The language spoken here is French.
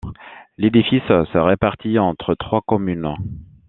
L'édifice se répartit entre trois communes.